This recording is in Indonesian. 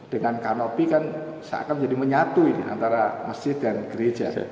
dengan kanopi kan seakan menjadi menyatu ini antara masjid dan gereja